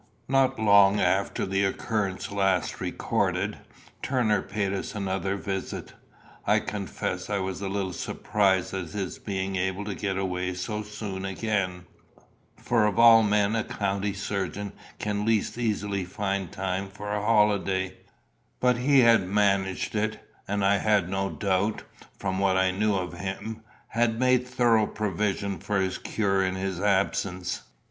Not long after the occurrence last recorded, Turner paid us another visit. I confess I was a little surprised at his being able to get away so soon again; for of all men a country surgeon can least easily find time for a holiday; but he had managed it, and I had no doubt, from what I knew of him, had made thorough provision for his cure in his absence.